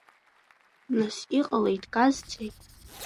Нас иҟалеи, дказцеи?